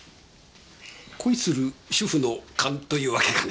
恋する主婦の勘というわけかね？